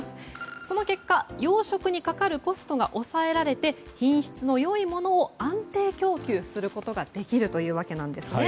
その結果、養殖にかかるコストが抑えられて、品質の良いものを安定供給することができるというわけなんです。